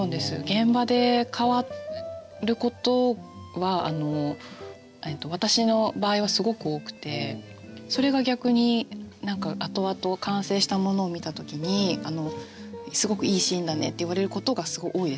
現場で変わることは私の場合はすごく多くてそれが逆に後々完成したものを見た時にすごくいいシーンだねって言われることがすごい多いですね。